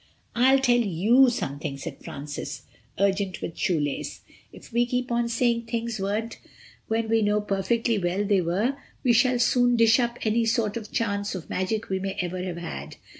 '" "I'll tell you something," said Francis, urgent with shoelace, "if we keep on saying things weren't when we know perfectly well they were, we shall soon dish up any sort of chance of magic we may ever have had.